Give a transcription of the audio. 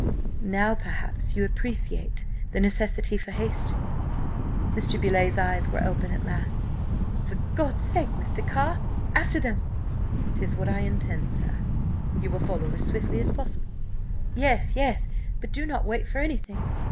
Now perhaps you appreciate the necessity for haste?" Mr. Beauleigh's eyes were open at last. "For God's sake, Mr. Carr, after them!" "'Tis what I intend, sir. You will follow as swiftly as possible?" "Yes, yes, but do not wait for anything!